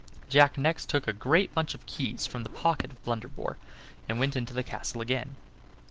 Jack next took a great bunch of keys from the pocket of Blunderbore, and went into the castle again.